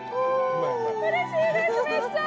うれしいですめっちゃ。